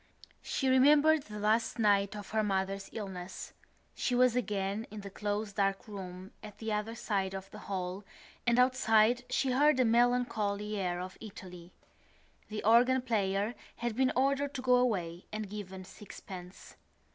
She remembered the last night of her mother's illness; she was again in the close dark room at the other side of the hall and outside she heard a melancholy air of Italy. The organ player had been ordered to go away and given sixpence.